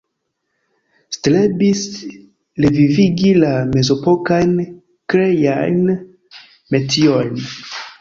Strebis revivigi la mezepokajn kreajn metiojn.